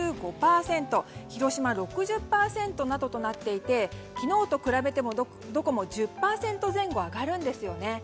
広島は６０％などとなっていて昨日と比べてもどこも１０％前後上がるんですよね。